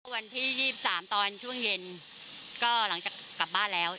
วันที่๒๓ตอนช่วงเย็นก็หลังจากกลับบ้านแล้ว